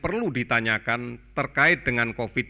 perlu ditanyakan terkait dengan covid sembilan belas